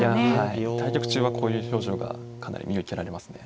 対局中はこういう表情がかなり見受けられますね。